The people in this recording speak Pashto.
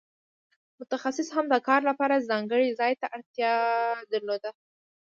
متخصص هم د کار لپاره ځانګړي ځای ته اړتیا درلوده.